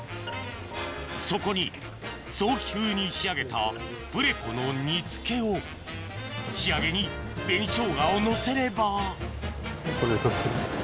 そこにソーキ風に仕上げたプレコの煮付けを仕上げに紅しょうがをのせればこれで完成ですね。